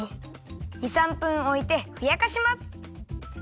２３分おいてふやかします。